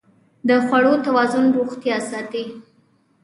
د خوړو توازن روغتیا ساتي.